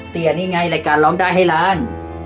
นี่ไงรายการร้องได้ให้ล้าน